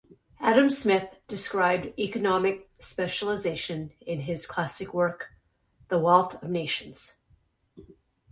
Adam Smith described economic specialization in his classic work, "The Wealth of Nations".